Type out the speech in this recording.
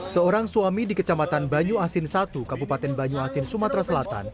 seorang suami di kecamatan banyu asin satu kabupaten banyu asin sumatera selatan